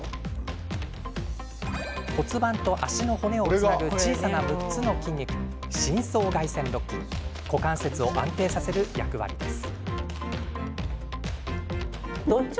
骨盤と足の骨をつなぐ小さな６つの筋肉深層外旋六筋股関節を安定させる役割です。